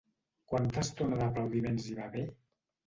Quanta estona d'aplaudiments hi va haver?